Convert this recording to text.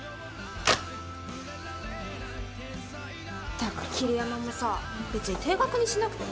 ったく桐山もさ別に停学にしなくてもいいのにね。